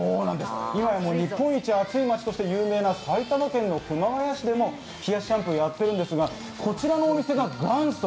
今や日本一暑い町として有名な埼玉県熊谷市でも冷やしシャンプーやってるんですが、こちらのお店が元祖。